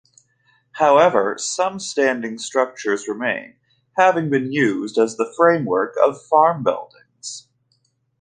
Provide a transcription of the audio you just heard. However, some standing structures remain, having been used as the framework of farm buildings.